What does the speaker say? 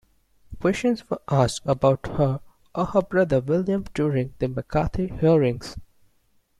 Questions were asked about her of her brother William during the McCarthy hearings.